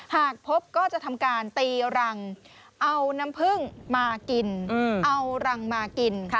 หากพบก็จะทำการตีรังเอาน้ำผึ้งมากินเอารังมากิน